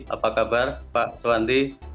apa kabar pak suwanti